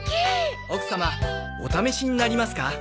奥様お試しになりますか？